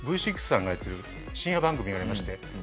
Ｖ６さんがやってる深夜番組がありまして。